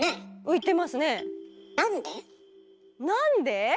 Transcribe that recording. なんで？